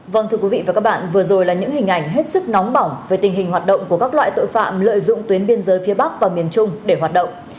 vâng thưa quý vị và các bạn vừa rồi là những hình ảnh hết sức nóng bỏng về tình hình hoạt động của các loại tội phạm lợi dụng tuyến biên giới phía bắc và miền trung để hoạt động